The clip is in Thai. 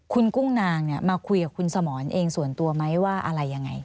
คุณกุ้งนางมาคุยกับคุณสมรเองส่วนตัวไหมว่าอะไรยังไง